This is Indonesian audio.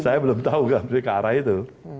saya belum tahu kan sih ke arah itu